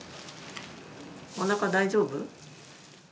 おなか大丈夫？